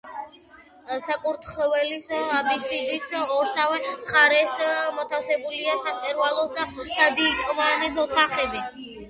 საკურთხევლის აბსიდის ორსავე მხარეს მოთავსებულია სამკვეთლოს და სადიაკვნეს ოთახები.